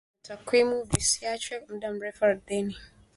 viazi lishe vina takiwa visiachwe mda mrefu ardhini